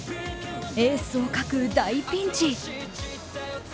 エースを欠く大ピンチ。